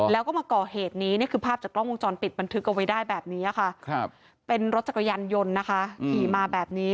แล้วก็มาก่อเหตุนี้นี่คือภาพจากกล้องวงจรปิดบันทึกเอาไว้ได้แบบนี้ค่ะเป็นรถจักรยานยนต์นะคะขี่มาแบบนี้